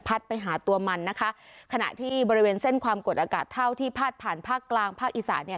ไปหาตัวมันนะคะขณะที่บริเวณเส้นความกดอากาศเท่าที่พาดผ่านภาคกลางภาคอีสานเนี่ย